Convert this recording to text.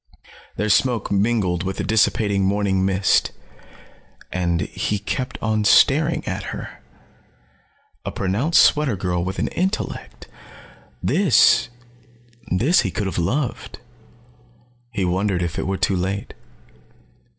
Their smoke mingled with the dissipating morning mist. And he kept on staring at her. A pronounced sweater girl with an intellect. This he could have loved. He wondered if it were too late.